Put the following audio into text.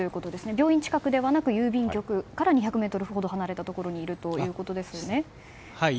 病院近くではなく郵便局から２００ｍほど離れたところにいると。